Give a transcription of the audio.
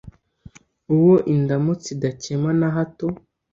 Uwo indamutsa idakema na hato,